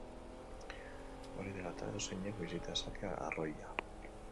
Hori dela eta, edozeinek bisita dezake arroila.